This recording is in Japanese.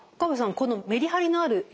このメリハリのある予防対策